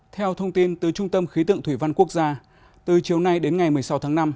theo thông tin từ trung tâm khí tượng thủy văn quốc gia từ chiều nay đến ngày một mươi sáu tháng năm